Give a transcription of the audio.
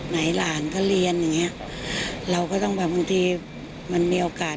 หลานก็เรียนอย่างเงี้ยเราก็ต้องแบบบางทีมันมีโอกาส